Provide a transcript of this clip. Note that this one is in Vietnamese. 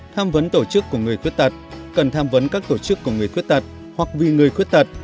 tham vấn tổ chức của người khuyết tật cần tham vấn các tổ chức của người khuyết tật hoặc vì người khuyết tật